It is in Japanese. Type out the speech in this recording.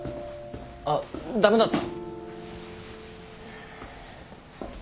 あっ駄目だった？